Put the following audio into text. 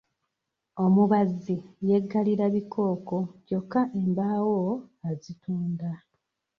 Omubazzi yeggalira bikooko kyokka embaawo azitunda.